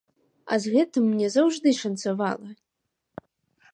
А з гэтым мне заўжды шанцавала.